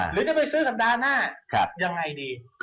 หรือจะไปซื้อสัปดาห์หน้ายังไงดี